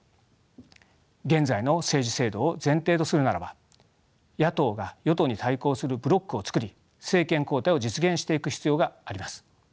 現在の政治制度を前提とするならば野党が与党に対抗するブロックを作り政権交代を実現していく必要があります。